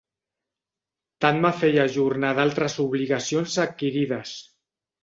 Tant me feia ajornar d'altres obligacions adquirides.